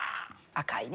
赤いね。